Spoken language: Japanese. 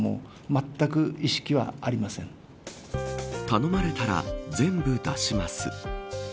頼まれたら全部出します。